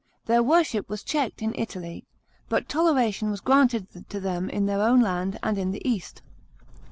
Their worship was checked in Italy ; but toleration was granted to them in their own land and in the east.